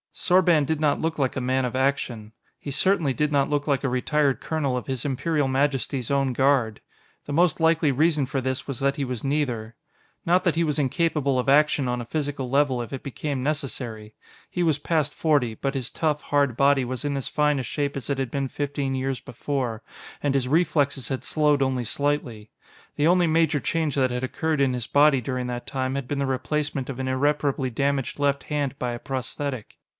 Sorban did not look like a man of action; he certainly did not look like a retired colonel of His Imperial Majesty's Own Guard. The most likely reason for this was that he was neither. Not that he was incapable of action on a physical level if it became necessary; he was past forty, but his tough, hard body was in as fine a shape as it had been fifteen years before, and his reflexes had slowed only slightly. The only major change that had occurred in his body during that time had been the replacement of an irreparably damaged left hand by a prosthetic.